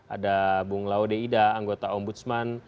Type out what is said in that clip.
ada bung laude ida anggota ombudsman